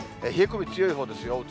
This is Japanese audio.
冷え込み強いほうですよ。